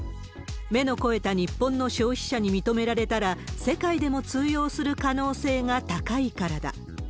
目の肥えた日本の消費者に認められたら、世界でも通用する可能性が高いからだ。